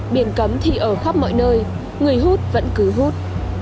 biển cấm thì ở khắp mọi nơi người hút vẫn cứ hút